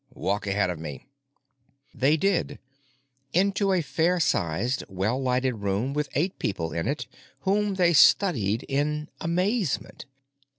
Walk ahead of me." They did, into a fair sized, well lighted room with eight people in it whom they studied in amazement.